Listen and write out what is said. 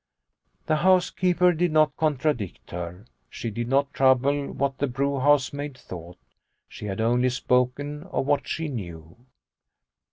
The housekeeper did not contradict her. She did not trouble what the brew house maid thought. She had only spoken of what she knew.